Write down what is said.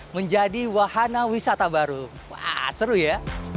menjadi wahana wisata baru wah seru ya